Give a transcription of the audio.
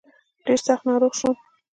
ډېر سخت ناروغ شوم.